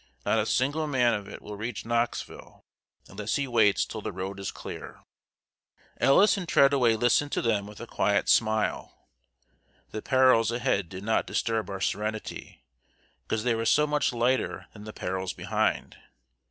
Not a single man of it will reach Knoxville, unless he waits till the road is clear." Ellis and Treadaway listened to them with a quiet smile. The perils ahead did not disturb our serenity, because they were so much lighter than the perils behind.